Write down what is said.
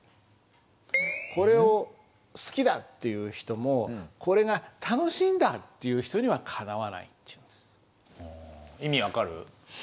これを好きだっていう人もこれが楽しいんだっていう人にはかなわないっていうんです。